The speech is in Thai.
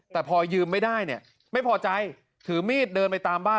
แต่พอยืมไม่ได้เนี่ยไม่พอใจถือมีดเดินไปตามบ้าน